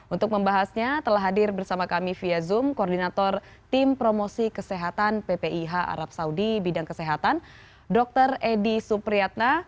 untuk membahasnya telah hadir bersama kami via zoom koordinator tim promosi kesehatan ppih arab saudi bidang kesehatan dr edi supriyatna